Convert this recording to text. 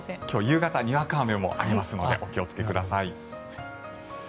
今日、夕方にわか雨もありますのでお気をつけください。